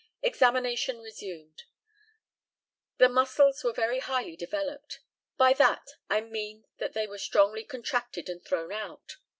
Examination resumed: The muscles were very highly developed. By that I mean that they were strongly contracted and thrown out.